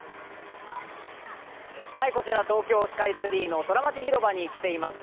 こちら東京スカイツリーのソラマチひろばに来ています。